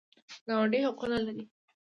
ګاونډي حقونه لري